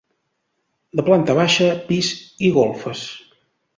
De planta baixa, pis i golfes.